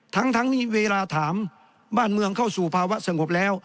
ทั้งนี้เวลาถามบ้านเมืองเข้าสู่ภาวะสงบแล้ว